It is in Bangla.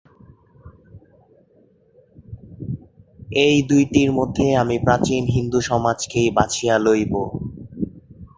এই দুইটির মধ্যে আমি প্রাচীন হিন্দু-সমাজকেই বাছিয়া লইব।